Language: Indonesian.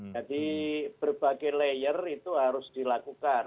jadi berbagai layer itu harus dilakukan